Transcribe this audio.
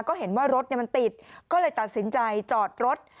ก็เห็นว่ารถมันติดก็เลยตัดสินใจจอดรถ